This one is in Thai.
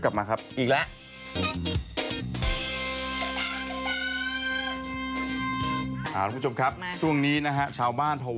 เพราะว่ากลัวผีปอบใช่ไหมเขาจะได้ไม่มา